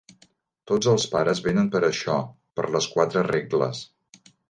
Tots els pares venen per això: per les quatre regles.